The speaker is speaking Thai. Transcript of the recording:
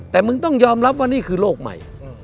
แต่มึงต้องยอมรับว่านี่คือโรคใหม่